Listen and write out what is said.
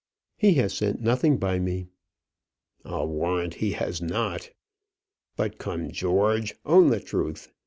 "He has sent nothing by me." "I'll warrant he has not. But come, George, own the truth.